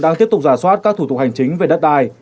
đang tiếp tục giả soát các thủ tục hành chính về đất đai